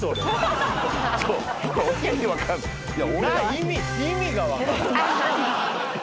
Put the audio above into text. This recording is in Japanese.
意味が分かんない。